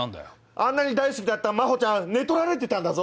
あんなに大好きだった真帆ちゃん寝取られてたんだぞ